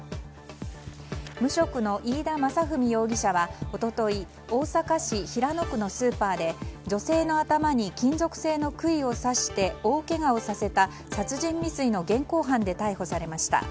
無職の飯田雅史容疑者は一昨日大阪市平野区のスーパーで女性の頭に金属製の杭を刺して大けがをさせた殺人未遂の現行犯で逮捕されました。